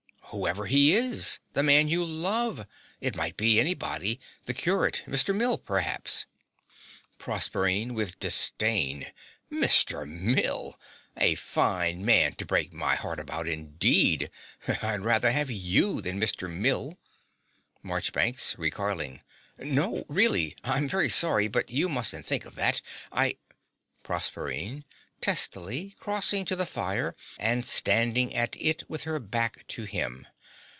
Whoever he is. The man you love. It might be anybody. The curate, Mr. Mill, perhaps. PROSERPINE (with disdain). Mr. Mill!!! A fine man to break my heart about, indeed! I'd rather have you than Mr. Mill. MARCHBANKS (recoiling). No, really I'm very sorry; but you mustn't think of that. I PROSERPINE. (testily, crossing to the fire and standing at it with her back to him).